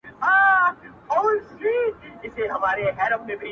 • او ټول خوږ ژوند مي ,